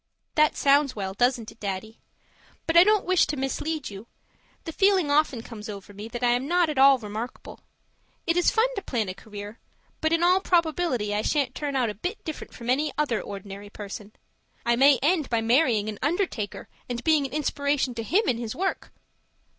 That sounds well, doesn't it, Daddy? But I don't wish to mislead you. The feeling often comes over me that I am not at all remarkable; it is fun to plan a career, but in all probability I shan't turn out a bit different from any other ordinary person. I may end by marrying an undertaker and being an inspiration to him in his work.